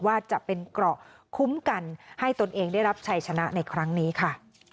ว่าจะเป็นเกราะคุ้มกันให้ตนเองได้รับชัยชนะในครั้งนี้ค่ะ